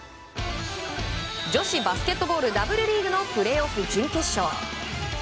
女子バスケットボールＷリーグのプレーオフ準決勝。